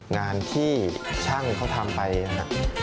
งานที่ช่างเขาทำไปนะครับ